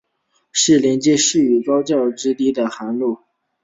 是连接市区与高校之间的重要线路。